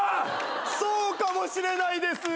そうかもしれないです。